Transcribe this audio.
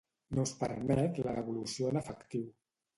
No es permet la devolució en efectiu